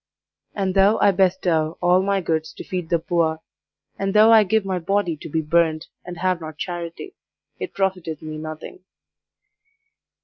And though I bestow all my goods to feed the poor, and though I give my body to be burned, and have not charity, it profiteth me nothing.